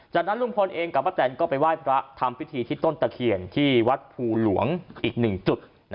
จากนั้นลุงพลเองกับป้าแตนก็ไปไหว้พระทำพิธีที่ต้นตะเคียนที่วัดภูหลวงอีกหนึ่งจุด